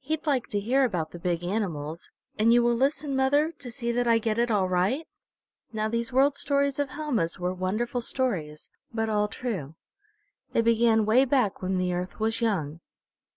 He'd like to hear about the big animals. And you will listen, mother, to see that I get it all right?" Now these World Stories of Helma's were wonderful stories, but all true. They began way back when the Earth was young.